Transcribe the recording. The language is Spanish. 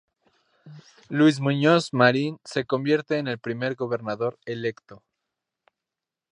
Luis Muñoz Marín se convierte en el primer gobernador electo.